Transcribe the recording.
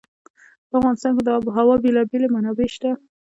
په افغانستان کې د آب وهوا بېلابېلې منابع شته.